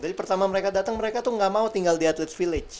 dari pertama mereka datang mereka tuh gak mau tinggal di atlet village